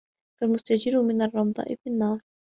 كالمستجير من الرمضاء بالنار